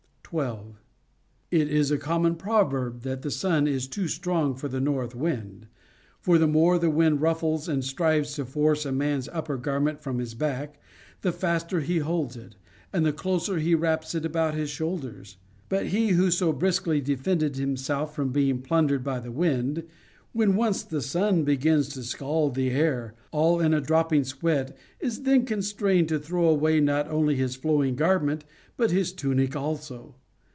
12. It is a common proverb, that the sun is too strc ng for the north wind ; for the more the wind ruffles and strives to force a mans upper garment from his back, the faster he holds it, and the closer he wraps it about his shoulders. But he who so brisklv defended himself from 490 CONJUGAL PRECEPTS. being plundered by the wind, when once the sun begins to scald the air, all in a dropping sweat is then constrained to throw away not only his flowing garment but his tunic also.